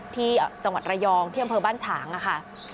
ที่จังหวัดระยองที่อำเภอบ้านฉางนะคะ